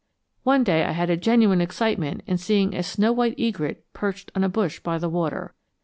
One day I had a genuine excitement in seeing a snow white egret perched on a bush by the water.